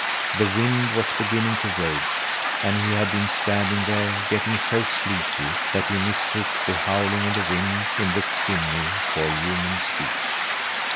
The wind was beginning to rage, and he had been standing there getting so sleepy that he mistook the howling of the wind in the chimney for human speech.